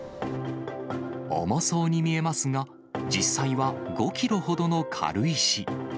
重そうに見えますが、実際は５キロほどの軽石。